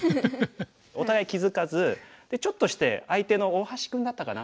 お互い気付かずでちょっとして相手の大橋君だったかな。